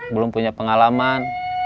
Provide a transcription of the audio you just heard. belum punya pengalaman